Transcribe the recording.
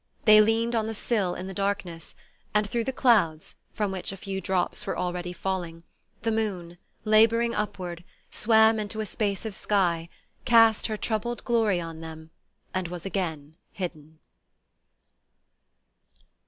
They leaned on the sill in the darkness, and through the clouds, from which a few drops were already falling, the moon, labouring upward, swam into a space of sky, cast her troubled glory on them, and was again hidden.